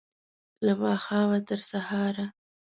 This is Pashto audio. له ماښامه، تر سهاره